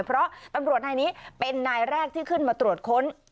เพราะตำรวจนายนี้เป็นนายแรกที่ขึ้นมาตรวจค้น